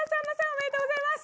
おめでとうございます。